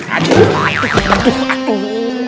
aduh aduh aduh